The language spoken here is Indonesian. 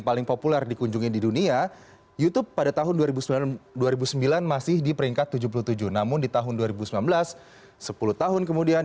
paling populer dikunjungi di dunia youtube pada tahun dua ribu sembilan dua ribu sembilan masih di peringkat tujuh puluh tujuh namun di tahun dua ribu sembilan belas sepuluh tahun kemudian